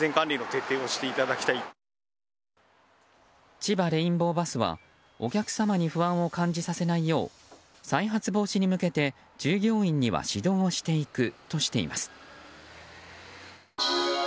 ちばレインボーバスはお客様に不安を感じさせないよう再発防止に向けて、従業員には指導をしていくとしています。